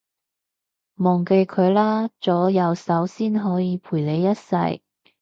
忘記佢啦，左右手先可以陪你一世